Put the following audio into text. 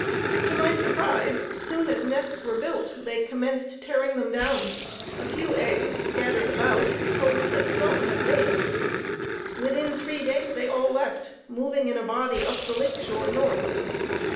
To my surprise, soon as nests were built, they commenced tearing them down a few eggs scattered about told some had laid; within three days they all left, moving in a body up the lake shore north.